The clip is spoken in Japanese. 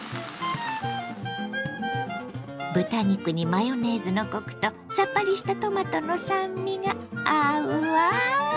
豚肉にマヨネーズのコクとさっぱりしたトマトの酸味が合うわ。